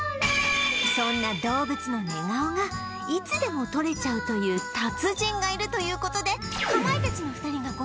そんな動物の寝顔がいつでも撮れちゃうという達人がいるという事で